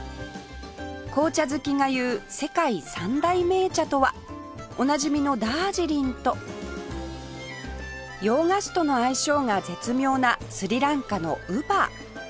紅茶好きが言う「世界三大銘茶」とはおなじみのダージリンと洋菓子との相性が絶妙なスリランカのウバ